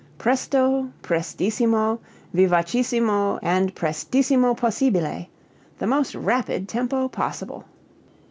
Presto, prestissimo, vivacissimo, and prestissimo possibile the most rapid tempo possible.